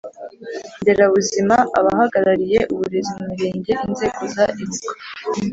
Nderabuzima abahagarariye uburezi mu mirenge inzego za ibuka